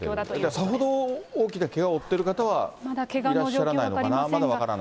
さほど大きなけがを負っている方はいらっしゃらないのかな。